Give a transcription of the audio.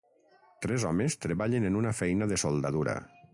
Tres homes treballen en una feina de soldadura.